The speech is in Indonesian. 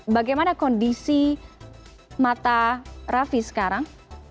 bagaimana kondisi mata raffi sekarang